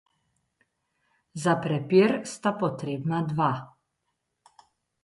Za prepir sta potrebna dva.